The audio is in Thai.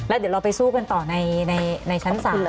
แล้วเดี๋ยวเราไปสู้กันต่อในชั้น๓นะคะ